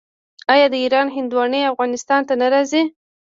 آیا د ایران هندواڼې افغانستان ته نه راځي؟